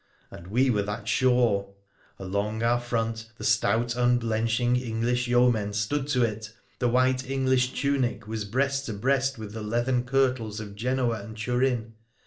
And we were that shore ! All along our front the stout, un blenching English yeomen stood to it — the white English tunic was breast to breast with the leathern kirtles of Genoa and Turin.